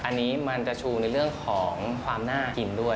อันนี้มันจะชูในเรื่องของความน่ากินด้วย